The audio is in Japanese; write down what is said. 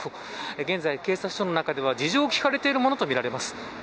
現在、警察署の中では事情を聴かれているものとみられます。